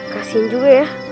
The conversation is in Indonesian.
kasian juga ya